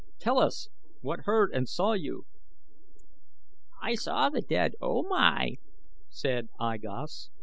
"Tell us! What heard and saw you?" "I saw the dead O Mai," said I Gos.